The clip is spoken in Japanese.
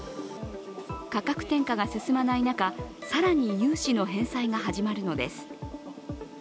価格転嫁が進まない中、更に融資の返済が始まるのです。